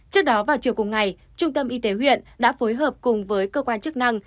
trước đó vào chiều cùng ngày trung tâm y tế huyện đã phối hợp cùng với cơ quan chức năng